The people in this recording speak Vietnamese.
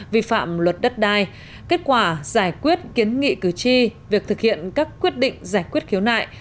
vi phạm luật đất đai kết quả giải quyết kiến nghị cử tri việc thực hiện các quyết định giải quyết khiếu nại